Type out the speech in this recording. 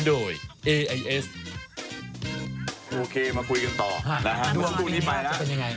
โอเคมาคุยกันต่อนะฮะวันนี้จะเป็นยังไง